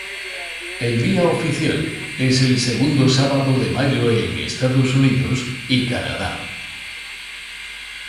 El día oficial es el segundo sábado de mayo en Estados Unidos y Canadá.